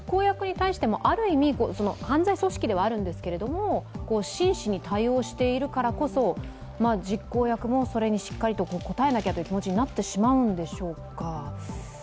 ある意味、犯罪組織ではあるんですけど、真摯に対応しているからこそ実行役もそれにしっかりと応えなきゃという気持ちになってしまうんでしょうか。